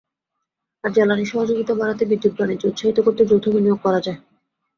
আর জ্বালানি সহযোগিতা বাড়াতে বিদ্যুৎ বাণিজ্য উৎসাহিত করতে যৌথ বিনিয়োগ করা যায়।